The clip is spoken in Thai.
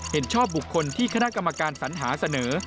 เห็นชอบบุคคลที่คณะกรรมการสัญหาเสนอ